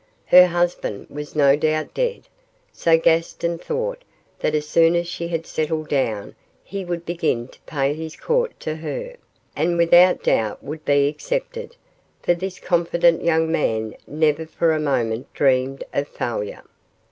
Her husband was no doubt dead, so Gaston thought that as soon as she had settled down he would begin to pay his court to her, and without doubt would be accepted, for this confident young man never for a moment dreamed of failure.